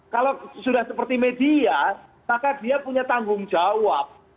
kalau sudah seperti media maka dia punya tanggung jawab